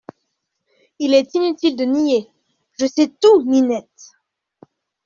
Il est inutile de nier… je sais tout NINETTE.